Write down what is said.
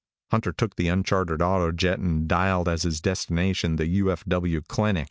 Hunter took an unchartered autojet and dialed as his destination the U.F.W. clinic.